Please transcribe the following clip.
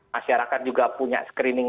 masyarakat juga punya screening